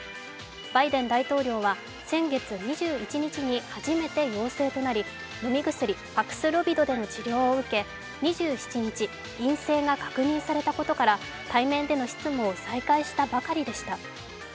バイデン大統領は先月２１日に初めて陽性となり、飲み薬パクスロビドでの治療を受け２７日、陰性が確認されたことから対面での執務を再開したばかりでした。